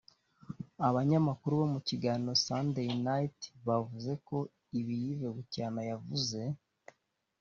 Abanyamakuru bo mu kiganiro Sunday night bavuze ko ibi YvesBucyana yavuze